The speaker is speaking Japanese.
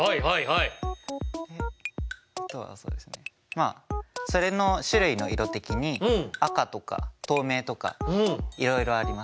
まあそれの種類の色的に赤とか透明とかいろいろあります。